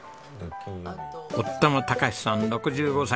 夫の孝さん６５歳。